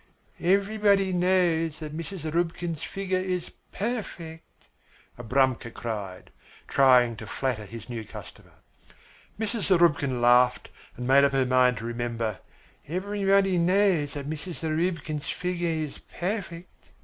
Everybody knows that Mrs. Zarubkin's figure is perfect," Abramka cried, trying to flatter his new customer. Mrs. Zarubkin laughed and made up her mind to remember "Everybody knows that Mrs. Zarubkin's figure is perfect."